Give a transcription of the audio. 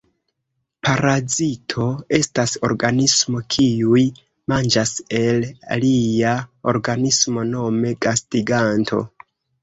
Parazito estas organismo kiuj manĝas el alia organismo, nome gastiganto.